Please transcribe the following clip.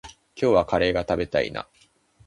今日はカレーが食べたいな。